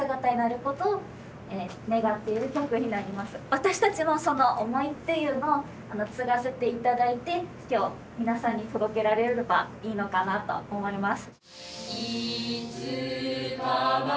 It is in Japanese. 私たちもその思いっていうのを継がせて頂いて今日皆さんに届けられればいいのかなと思います。